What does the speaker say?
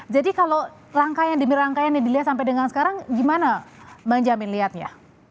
jadi kalau rangkaian demi rangkaian yang dilihat sampai dengan sekarang gimana bang jamin lihatnya